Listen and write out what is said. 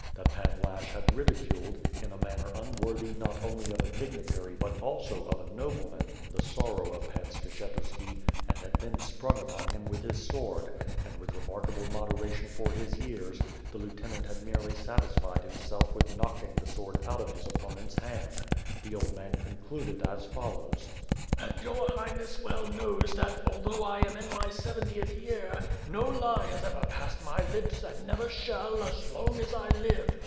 That Pan I^shch had ridiculed, in a manner unworthy not only of a dignitary but also of a nobleman, the sorrow of Pan Skshetuski and had then sprung upon him with his sword, and, with remark able moderation for his years, the lieutenant had merely satisfied himself with knocking the sword out of his op ponent's hand. The old man concluded as follows: "And your Highness well knows that, although I am in my seventieth year, no lie has ever passed my lips and never shall, as long as I live.